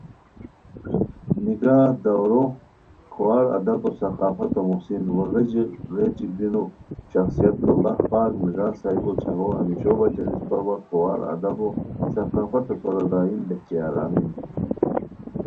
نگاہ ؔ دَورو کھوار ادب و ثقافتو محسن وا غیژی غیچی گیونو شخصیت اللہ پاک نگاہؔ صاحبو چھاغو ہمیشو بچین اِسپہ وا کھوار ادب و ثقافتو سورا دائم بہچئیار (آمین)